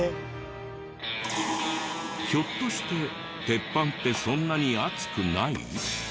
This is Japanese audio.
ひょっとして鉄板ってそんなに熱くない？